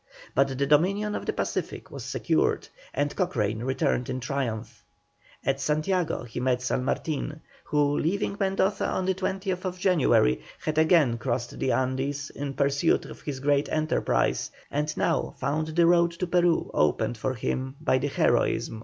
But the dominion of the Pacific was secured, and Cochrane returned in triumph. At Santiago he met San Martin, who, leaving Mendoza on the 20th January, had again crossed the Andes in pursuit of his great enterprise, and now found the road to Peru opened for him by the heroism of the great Admiral.